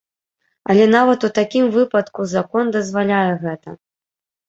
Але нават у такім выпадку закон дазваляе гэта.